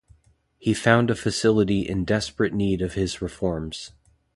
He found a facility in desperate need of his reforms.